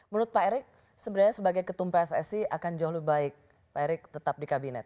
menurut pak erick sebenarnya sebagai ketum pssi akan jauh lebih baik pak erik tetap di kabinet